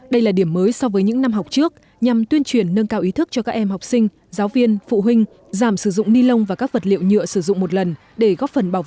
đây là điểm mới so với những năm học trước